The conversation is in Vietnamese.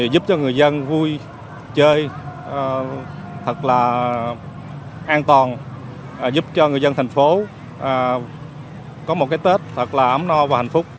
giúp cho người dân vui chơi thật là an toàn giúp cho người dân thành phố có một cái tết thật là ấm no và hạnh phúc